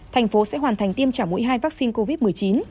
thành phố sẽ hoàn thành tiêm trả mũi hai vaccine covid một mươi chín